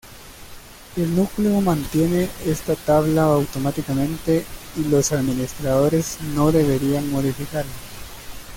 El núcleo mantiene esta tabla automáticamente y los administradores no deberían modificarla.